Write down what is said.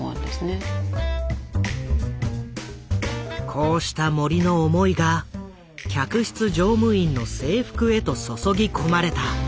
こうした森の思いが客室乗務員の制服へと注ぎ込まれた。